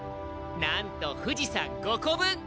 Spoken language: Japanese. なんと富士山５個分！